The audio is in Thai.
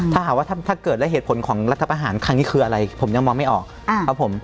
ถ้าหากว่าถ้าเกิดและเหตุผลของรัฐประหารครั้งนี้คืออะไรผมยังมองไม่ออกครับผม